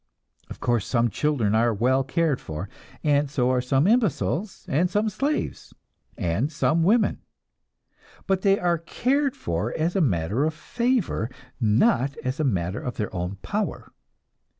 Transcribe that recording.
Of course, some children are well cared for, and so are some imbeciles, and some slaves, and some women. But they are cared for as a matter of favor, not as a matter of their own power.